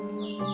bukannya pak pak